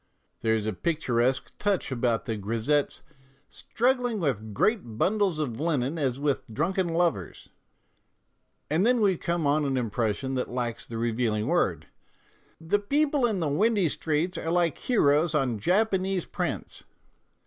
There is a picturesque touch about the grisettes " strug gling with great bundles of linen as with drunken lovers," and then we come on an impression that lacks the revealing word :" The people in the windy streets are like heroes on Japanese prints."